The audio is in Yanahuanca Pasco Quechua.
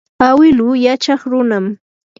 awilu yachaw runam.